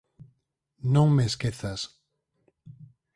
Non me esquezas.